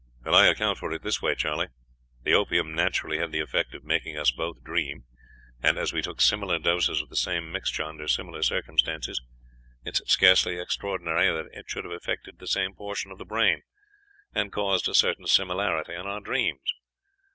"'I account for it in this way, Charley. The opium naturally had the effect of making us both dream, and as we took similar doses of the same mixture, under similar circumstances, it is scarcely extraordinary that it should have effected the same portion of the brain, and caused a certain similarity in our dreams.